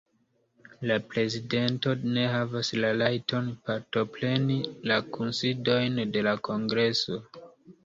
La prezidento ne havas la rajton partopreni la kunsidojn de la kongreso.